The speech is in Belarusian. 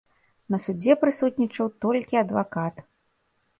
На судзе прысутнічаў толькі адвакат.